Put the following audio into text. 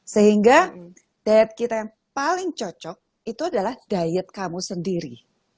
sehingga diet kita yang paling cocok itu adalah diet kamu sendiri